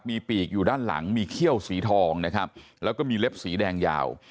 มีปีกอยู่ด้านหลังมีเขี้ยวสีทองนะครับแล้วก็มีเล็บสีแดงยาว